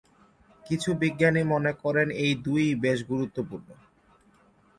কিছু বিজ্ঞানী মনে করেন এই দুই-ই বেশ গুরুত্বপূর্ণ।